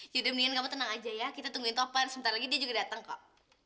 yaudah mendingan kamu tenang aja ya kita tungguin topan sebentar lagi dia juga datang kok